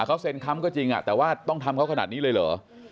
เขาเซ็นค้ำก็จริงแต่ว่าต้องทำเขาขนาดนี้เลยเหรอ